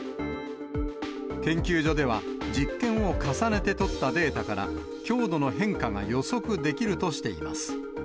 研究所では、実験を重ねて取ったデータから、強度の変化が予測できるとしています。